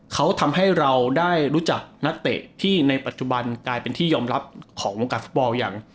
เขาทำให้เราได้รู้จักนักเตะที่ในปัจจุบันกลายเป็นที่ยอมรับของวงการฟุตบอลอย่าง